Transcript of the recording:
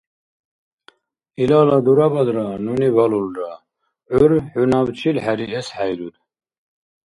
Илала дурабадра, нуни балулра, гӀyp xӀy набчил хӀериэс хӀейруд.